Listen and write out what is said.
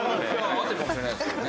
合ってるかもしれないですからね。